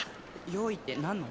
用意って何の？